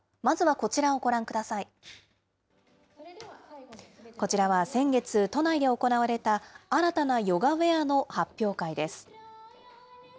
こちらは先月、都内で行われた新たなヨガウエアの発表会です。